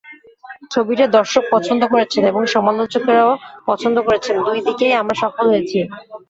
ছবিটা দর্শক পছন্দ করেছেন এবং সমালোচকেরাও পছন্দ করেছেন—দুই দিকেই আমরা সফল হয়েছি।